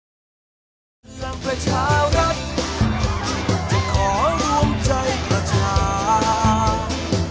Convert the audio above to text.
ด้วยพลังประชารักษณ์ที่มันจะขอรวมใจประชา